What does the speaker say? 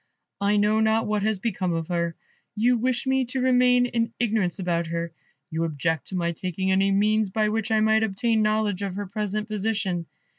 I know not what has become of her. You wish me to remain in ignorance about her; you object to my taking any means by which I might obtain knowledge of her present position.